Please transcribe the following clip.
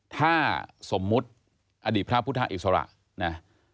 ถ้าสมมุติอดีตพระพุทธอิสระนะ